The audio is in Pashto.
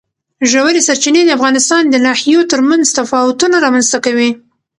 ژورې سرچینې د افغانستان د ناحیو ترمنځ تفاوتونه رامنځ ته کوي.